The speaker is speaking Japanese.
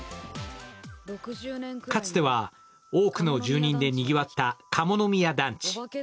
かつては多くの住人でにぎわった鴨宮団地。